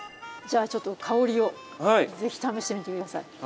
じゃあちょっと香りを是非試してみて下さい。